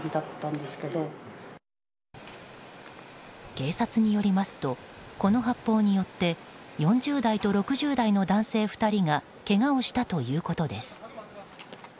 警察によりますとこの発砲によって４０代と６０代の男性２人がけがをしたということです。